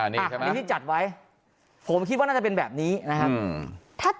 อันนี้ที่จัดไว้ผมคิดว่าน่าจะเป็นแบบนี้นะครับ